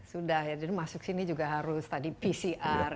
sudah ya jadi masuk sini juga harus tadi pcr